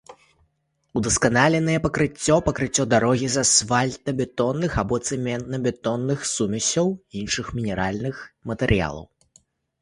Удасканаленае пакрыццё — пакрыццё дарогі з асфальтабетонных або цэментабетонных сумесяў, іншых мінеральных матэрыялаў